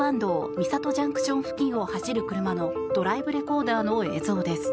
三郷ＪＣＴ付近を走る車のドライブレコーダーの映像です。